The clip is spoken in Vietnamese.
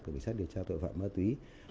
của cảnh sát điều tra tội phạm ma túy